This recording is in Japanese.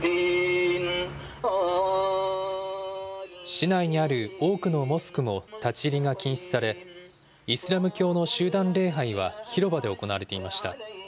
市内にある多くのモスクも立ち入りが禁止され、イスラム教の集団礼拝は広場で行われていました。